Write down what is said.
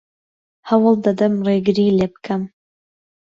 هەوڵ دەدەم ڕێگری لێ بکەم.